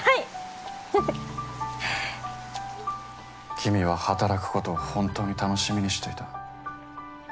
君は働くことを本当に楽しみにしていた。